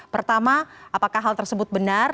pertama apakah hal tersebut benar